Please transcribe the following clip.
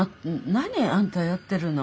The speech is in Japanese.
何あんたやってるの？